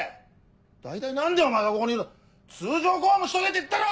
大体何でお前がここにいるんだ通常公務しとけって言ったろ！